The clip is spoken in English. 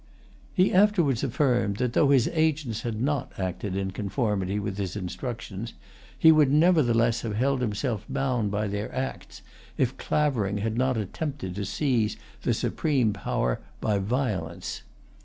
He afterwards affirmed that, though his agents had[Pg 162] not acted in conformity with his instructions, he would nevertheless have held himself bound by their acts, if Clavering had not attempted to seize the supreme power by violence.